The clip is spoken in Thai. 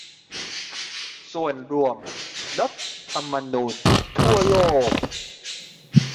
ส่วน รวมรัฐธรรมนูญทั่วโลก